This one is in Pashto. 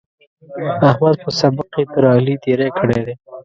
احمد په سبق کې تر علي تېری کړی دی.